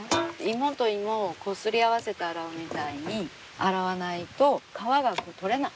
芋と芋をこすり合わせて洗うみたいに洗わないと皮が取れない。